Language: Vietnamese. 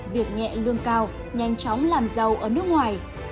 việc nhẹ lương cao nhanh chóng làm giàu ở nước ngoài